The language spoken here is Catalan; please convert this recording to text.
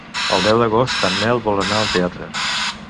El deu d'agost en Nel vol anar al teatre.